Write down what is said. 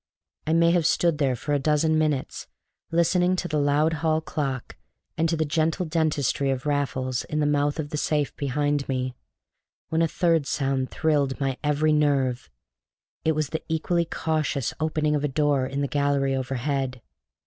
I may have stood there for a dozen minutes, listening to the loud hall clock and to the gentle dentistry of Raffles in the mouth of the safe behind me, when a third sound thrilled my every nerve. It was the equally cautious opening of a door in the gallery overhead.